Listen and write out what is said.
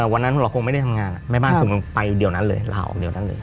วันนั้นเราคงไม่ได้ทำงานแม่บ้านคงไปเดี๋ยวนั้นเลยลาออกเดี๋ยวนั้นเลย